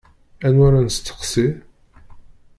Anwa ara nesteqsi?